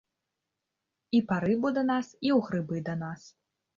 І па рыбу да нас, і ў грыбы да нас.